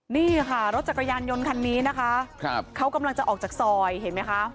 นี่ค่ะรถจักรยานยนต์คันนี้นะคะเขากำลังจะออกจากซอยเห็นไหมคะ